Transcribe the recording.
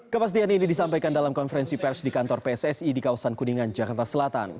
kepastian ini disampaikan dalam konferensi pers di kantor pssi di kawasan kuningan jakarta selatan